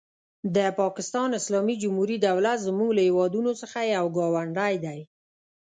د پاکستان اسلامي جمهوري دولت زموږ له هېوادونو څخه یو ګاونډی دی.